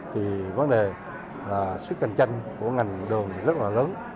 thì vấn đề là sức cạnh tranh của ngành đường rất là lớn